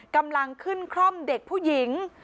กำลังขึ้นคร่อมเด็กผู้หญิง